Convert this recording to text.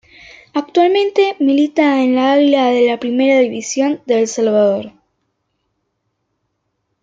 Actualmente milita en el Águila de la Primera División de El Salvador.